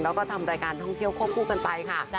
แล้วก็ทำรายการท่องเที่ยวควบคู่กันไปค่ะ